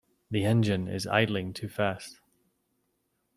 The engine is idling too fast.